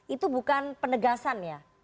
itu bukan penegasan ya